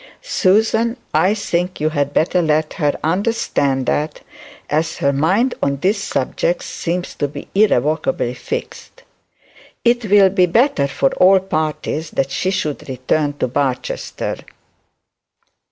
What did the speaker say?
I think you have better let her understand that as her mind on this subject seems to be irrevocably fixed, it will be better for all parties that she should return to Barchester.